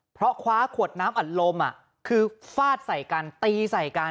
เพราะคว้าขวดน้ำอัดลมคือฟาดใส่กันตีใส่กัน